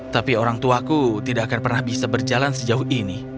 tapi orang tuaku tidak akan pernah bisa berjalan sejauh ini